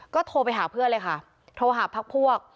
ก็โทรไปหาเพื่อนเลยค่ะโทรหาพักพวก